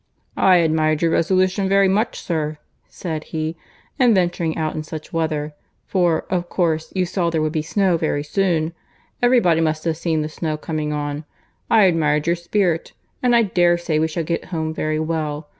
"I admired your resolution very much, sir," said he, "in venturing out in such weather, for of course you saw there would be snow very soon. Every body must have seen the snow coming on. I admired your spirit; and I dare say we shall get home very well.